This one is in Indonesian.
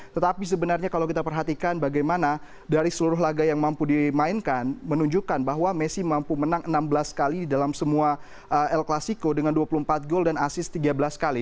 tetapi sebenarnya kalau kita perhatikan bagaimana dari seluruh laga yang mampu dimainkan menunjukkan bahwa messi mampu menang enam belas kali dalam semua el clasico dengan dua puluh empat gol dan asis tiga belas kali